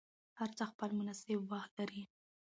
هر څه خپل مناسب وخت لري